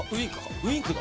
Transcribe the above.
ウインクだ。